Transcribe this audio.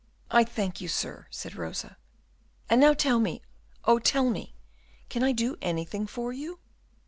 "I thank you, sir," said Rosa. "And now tell me oh, tell me can I do anything for you?"